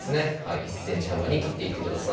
１ｃｍ幅に切っていってください